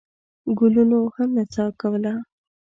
ګلونو هم نڅا کوله.